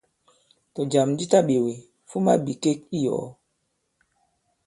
Tɔ̀jàm di taɓēwe, fuma bìkek i yɔ̀ɔ.